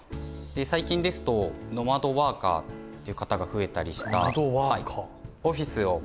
最近ですとノマドワーカーって方が増えたりした。